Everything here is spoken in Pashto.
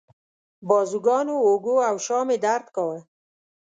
بازوګانو، اوږو او شا مې درد کاوه.